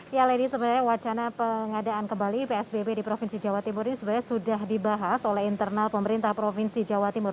ya lady sebenarnya wacana pengadaan kembali psbb di provinsi jawa timur ini sebenarnya sudah dibahas oleh internal pemerintah provinsi jawa timur